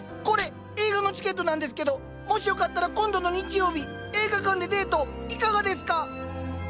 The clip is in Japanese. これ映画のチケットなんですけどもしよかったら今度の日曜日映画館でデートいかがですか？